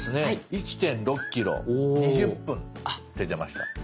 「１．６ｋｍ２０分」って出ました。